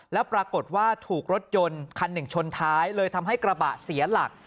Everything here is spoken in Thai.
แล้วปรากฏว่าถูกรถยนต์คันหนึ่งชนท้ายเลยทำให้กระบะเสียหลัก